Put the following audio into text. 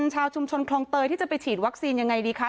ชาวชุมชนคลองเตยที่จะไปฉีดวัคซีนยังไงดีคะ